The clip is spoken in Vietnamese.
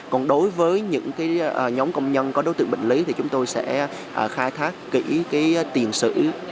còn đối với những nhóm công nhân có đối tượng bệnh lý thì chúng tôi sẽ khai thác kỹ tiền sử